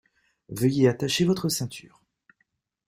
Veuillez attacher votre ceinture.